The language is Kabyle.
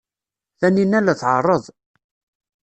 Taninna la tɛerreḍ.